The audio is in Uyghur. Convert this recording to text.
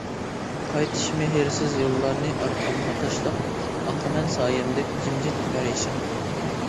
قايتىش مېھىرسىز يوللارنى ئارقامغا تاشلاپ، ئاقىمەن سايەمدەك جىمجىت پەرىشان.